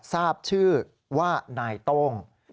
ทราบชื่อว่านายโต้ง